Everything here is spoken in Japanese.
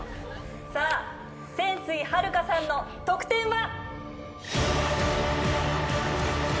さあ泉水はる佳さんの得点は？